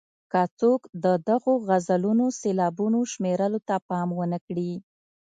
که څوک د دغو غزلونو سېلابونو شمېرلو ته پام ونه کړي.